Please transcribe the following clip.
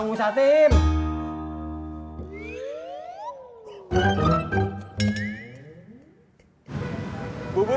ini pas dulu ya